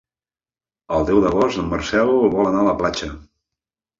El deu d'agost en Marcel vol anar a la platja.